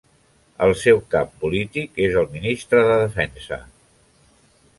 El seu cap polític és el Ministre de Defensa.